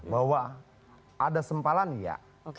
bahwa ada sempalan ya